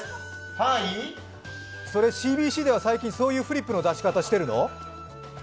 それ、ＣＢＣでは最近、そういうフリップの出し方をしてるの？